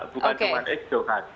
bukan cuma eksjo kan